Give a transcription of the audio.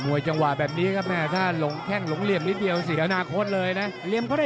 มวยจังหวะแบบนี้ถ้าแค่งหลงเหลี่ยมนิดเดียวเสียอนาคตเลยนะ